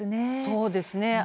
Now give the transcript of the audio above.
そうですね。